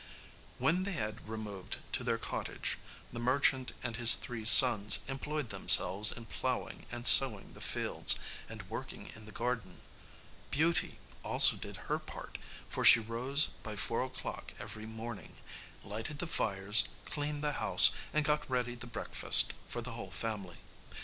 When they had removed to their cottage the merchant and his three sons employed themselves in ploughing and sowing the fields, and working in the garden. Beauty also did her part, for she rose by four o'clock every morning, lighted the fires, cleaned the house, and got ready the breakfast for the whole family.